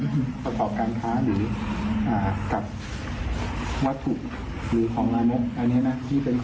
อันนี้นะที่เป็นข้อหาที่ภาพจังหวัดเขาได้แจ้งข้อหาเรา